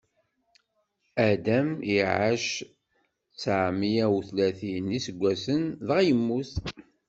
Adam iɛac tteɛmeyya u tlatin n iseggasen, dɣa yemmut.